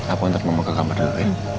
aku ntar mau muka gambar dulu ya